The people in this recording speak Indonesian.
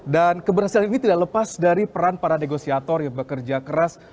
dan keberhasilan ini tidak lepas dari peran para negosiator yang bekerja keras